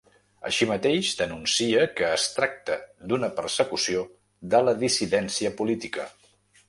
Així mateix, denuncia que es tracta d’una persecució de la dissidència política.